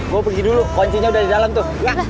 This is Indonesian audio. gue pergi dulu kuncinya udah di dalam tuh